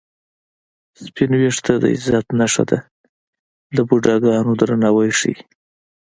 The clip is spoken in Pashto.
سپین وېښته د عزت نښه ده د بوډاګانو درناوی ښيي